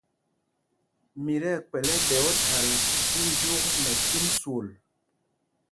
Mǐ tí ɛkpɛ̌l ɛ́ɗɛ óthǎl tí jyuk nɛ cîm swol.